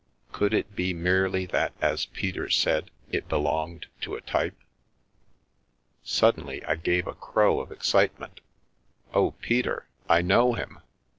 Could it be merely that, as Peter said, it belonged to a type? Suddenly I gave a crow of excitement. " Oh, Peter, I know him !